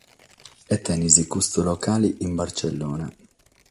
E tenes custu locale in Bartzellona.